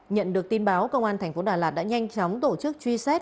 nhận được tin báo công an thành phố đà lạt đã nhanh chóng tổ chức truy xét